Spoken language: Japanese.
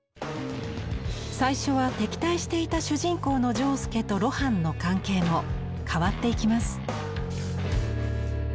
最初は敵対していた主人公の仗助と露伴の関係も変わっていきます。